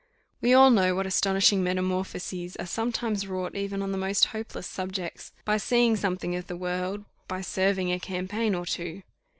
We all know what astonishing metamorphoses are sometimes wrought even on the most hopeless subjects, by seeing something of the world, by serving a campaign or two.